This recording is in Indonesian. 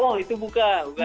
wah itu buka